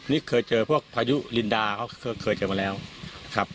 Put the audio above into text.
นี่เคยเจอพวกพายุลินดาเขาเคยเจอมาแล้วครับ